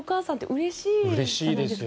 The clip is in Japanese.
うれしいですよね。